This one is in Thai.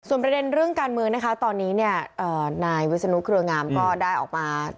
ประเด็นเรื่องการเมืองนะคะตอนนี้เนี่ยนายวิศนุเครืองามก็ได้ออกมา